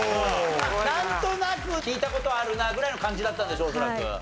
なんとなく聞いた事あるなぐらいの感じだったんでしょう恐らく。